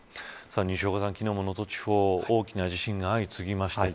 西岡さん、昨日も能登地方大きな地震が相次ぎました。